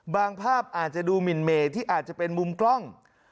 ภาพอาจจะดูหมินเมย์ที่อาจจะเป็นมุมกล้อง